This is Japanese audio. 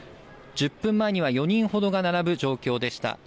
１０分前には４人ほどが並ぶ状況でした。